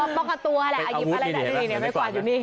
พกตัวแหละอาวุธดีไม่กวาดอยู่นี่